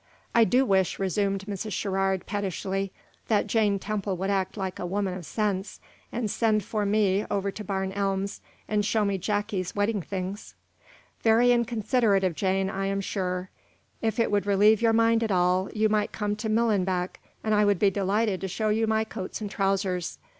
"I do wish," resumed Mrs. Sherrard, pettishly, "that Jane Temple would act like a woman of sense, and send for me over to Barn Elms, and show me Jacky's wedding things." "Very inconsiderate of Jane, I am sure. If it would relieve your mind at all, you might come to Millenbeck, and I would be delighted to show you my coats and trousers.